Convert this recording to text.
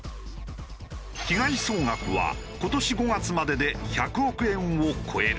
被害総額は今年５月までで１００億円を超える。